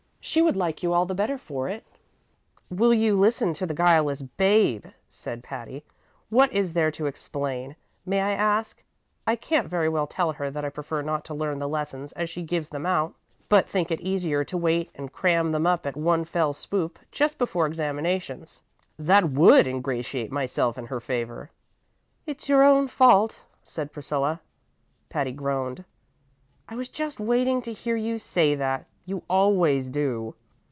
She would like you all the better for it." "Will you listen to the guileless babe!" said Patty. "What is there to explain, may I ask? I can't very well tell her that I prefer not to learn the lessons as she gives them out, but think it easier to wait and cram them up at one fell swoop, just before examinations. That would ingratiate myself in her favor!" "It's your own fault," said Priscilla. Patty groaned. "I was just waiting to hear you say that! You always do."